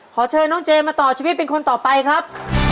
ขอเชิญน้องเจมาต่อชีวิตเป็นคนต่อไปครับ